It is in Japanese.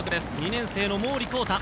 ２年生の毛利昂太。